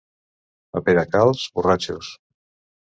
A Peracalç, borratxos.